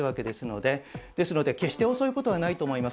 ですので決して遅い事はないと思います。